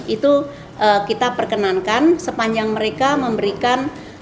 itu kita perkenankan sepanjang mereka memberikan